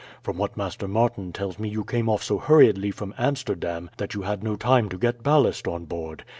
From what Master Martin tells me you came off so hurriedly from Amsterdam that you had no time to get ballast on board.